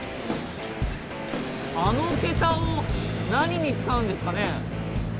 あの桁を何に使うんですかね？